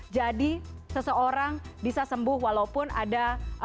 jadi seseorang bisa sembuh walaupun ada